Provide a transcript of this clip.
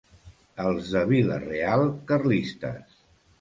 Els de Vila-real, carlistes.